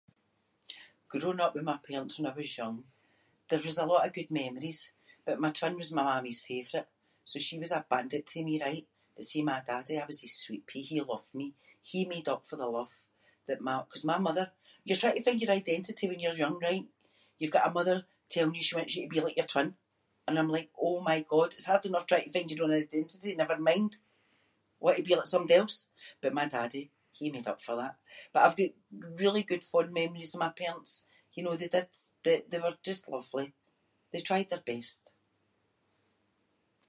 Growing up with my parents when I was young, there was a lot of good memories but my twin was my mammy’s favourite so she was a bandit to me, right. But see my daddy, I was his sweet pea, he loved me. He made up for the love that my- ‘cause my mother- you’re trying to find your identity when you’re young, right, you’ve got a mother telling you she wants you to be like your twin and I’m like oh my god it’s hard enough trying to find your own identity never mind wanting to be like somebody else. But my daddy, he made up for that- but I’ve got really good fond memories of my parents, you know, they did d- they were just lovely. They tried their best.